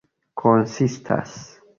konsistas